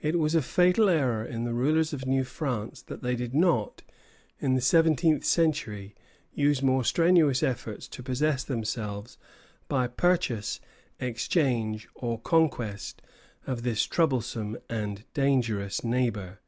It was a fatal error in the rulers of New France that they did not, in the seventeenth century, use more strenuous efforts to possess themselves, by purchase, exchange, or conquest, of this troublesome and dangerous neighbor.